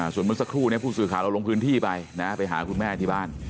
ส่วนเมื่อสักครู่นี้ผู้สื่อข่าวเราลงพื้นที่ไปไปหาคุณแม่ที่บ้าน